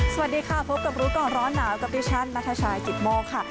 สวัสดีค่ะพบกับรู้ก่อนร้อนหนาวกับดิฉันนัทชายกิตโมกค่ะ